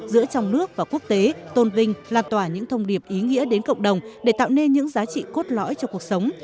giữa trong nước và quốc tế tôn vinh lan tỏa những thông điệp ý nghĩa đến cộng đồng để tạo nên những giá trị cốt lõi cho cuộc sống